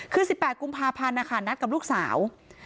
คือ๑๘กุมภาพันธ์นะคะนัดกับลูกสาว